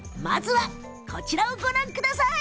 こちらをご覧ください。